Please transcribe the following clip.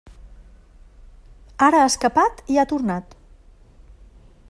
Ara ha escapat i ha tornat.